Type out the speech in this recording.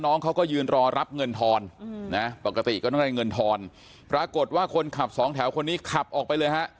น้องเขาก็ยืนรอรับเงินทอนนะปกติก็ต้องได้เงินทอนปรากฏว่าคนขับสองแถวคนนี้ขับออกไปเลยฮะ